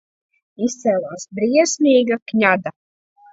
Izcēlās briesmīga kņada!